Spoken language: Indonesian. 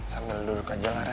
sambil duduk aja lah re